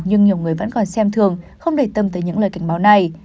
nhưng nhiều người vẫn còn xem thường không để tâm tới những lời cảnh báo này